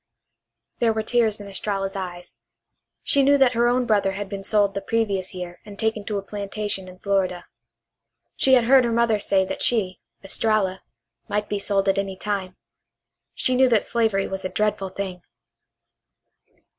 There were tears in Estralla's eyes. She knew that her own brother had been sold the previous year and taken to a plantation in Florida. She had heard her mother say that she, Estralla, might be sold any time. She knew that slavery was a dreadful thing.